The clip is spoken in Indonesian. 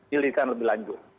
dilirikan lebih lanjut